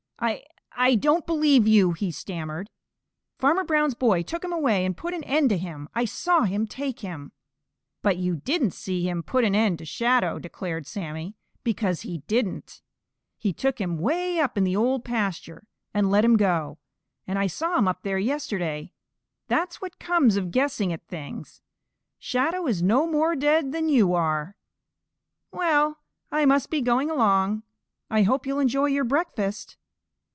"I I don't believe you," he stammered. "Farmer Brown's boy took him away and put an end to him. I saw him take him." "But you didn't see him put an end to Shadow," declared Sammy, "because he didn't. He took him 'way up in the Old Pasture and let him go, and I saw him up there yesterday. That's what comes of guessing at things. Shadow is no more dead than you are. Well, I must be going along. I hope you'll enjoy your breakfast."